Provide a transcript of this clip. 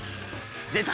「出た！